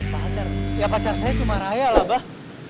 pacar ya pacar saya cuma raya lah bah